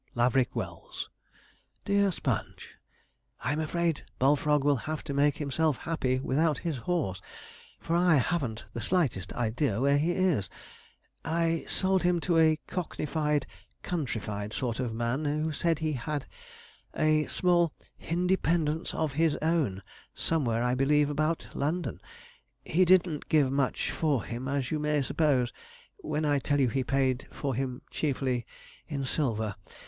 'LAVERICK WELLS. 'DEAR SPONGE, 'I'm afraid Bullfrog will have to make himself happy without his horse, for I hav'n't the slightest idea where he is. I sold him to a cockneyfied, countryfied sort of a man, who said he had a small "hindependence of his own" somewhere, I believe, about London. He didn't give much for him, as you may suppose, when I tell you he paid for him chiefly in silver.